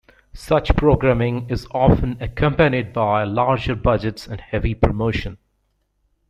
Such programming is often accompanied by larger budgets and heavy promotion.